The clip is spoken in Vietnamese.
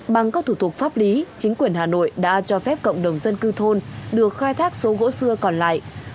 bằng các thủ tục pháp lý chính quyền hà nội đã cho phép cộng đồng dân cư thôn được khai thác số gỗ xưa còn lại